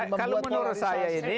jadi kalau menurut saya ini